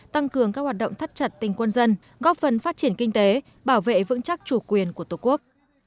tăng cường các hoạt động thắt chặt tình quân dân góp phần phát triển kinh tế bảo vệ vững chắc chủ quyền của tổ quốc